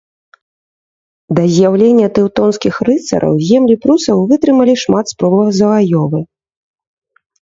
Да з'яўлення тэўтонскіх рыцараў землі прусаў вытрымалі шмат спробаў заваёвы.